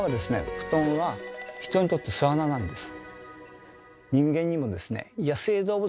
布団は人にとって巣穴なんです。